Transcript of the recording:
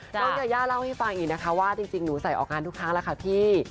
ยาย่าเล่าให้ฟังอีกนะคะว่าจริงหนูใส่ออกงานทุกครั้งแล้วค่ะพี่